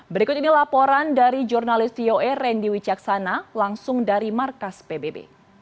berikut ini laporan dari jurnalis voa rendy wicaksana langsung dari markas pbb